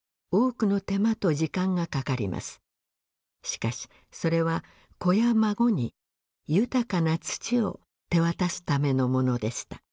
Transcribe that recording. しかしそれは子や孫に豊かな土を手渡すためのものでした。